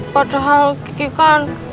padahal kiki kan